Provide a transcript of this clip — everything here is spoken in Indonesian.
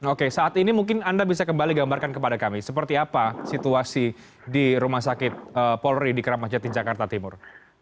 oke saat ini mungkin anda bisa kembali gambarkan kepada kami seperti apa situasi di rumah sakit polri di keramat jati jakarta timur